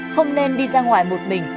không nên đi ra ngoài một mình